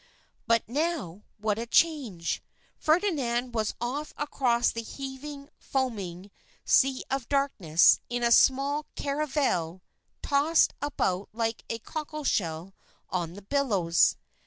But now, what a change! Ferdinand was off across the heaving, foaming Sea of Darkness in a small caravel tossed about like a cockleshell on the billows.